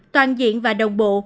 toàn diện và đồng bộ